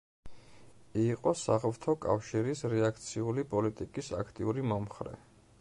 იყო საღვთო კავშირის რეაქციული პოლიტიკის აქტიური მომხრე.